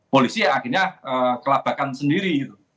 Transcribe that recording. polisi akhirnya kelabakan sendiri gitu